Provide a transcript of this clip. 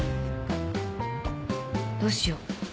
どうしよう？